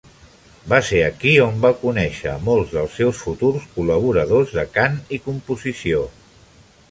Va ser aquí on van conèixer a molts dels seus futurs col·laboradors de cant i composició.